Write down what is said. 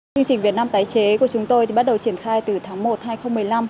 chương trình việt nam tái chế của chúng tôi bắt đầu triển khai từ tháng một hai nghìn một mươi năm